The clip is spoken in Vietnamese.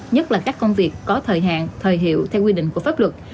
nhất là các công việc có thời hạn thời hiệu theo quy định của pháp luật